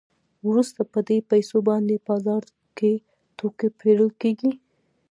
وروسته په دې پیسو باندې بازار کې توکي پېرل کېږي